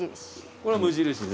これは無印ですね。